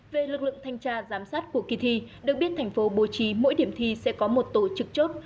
về lực lượng thanh tra giám sát của kỳ thi được biết thành phố bố trí mỗi điểm thi sẽ có một tổ chức chốt